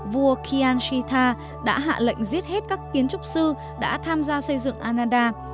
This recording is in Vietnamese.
vua khyan sita đã hạ lệnh giết hết các kiến trúc sư đã tham gia xây dựng ananda